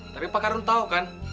tapi pak kardun tau kan